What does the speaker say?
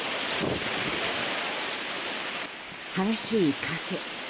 激しい風。